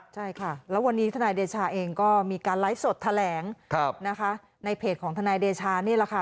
ใช่ค่ะแล้ววันนี้ทนายเดชาเองก็มีการไลฟ์สดแถลงนะคะในเพจของทนายเดชานี่แหละค่ะ